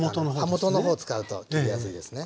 刃元の方を使うと切りやすいですね